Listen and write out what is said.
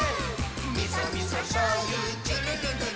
「みそみそしょうゆちゅるるるるん」